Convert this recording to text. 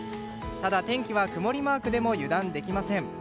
ただ、天気は曇りマークでも油断できません。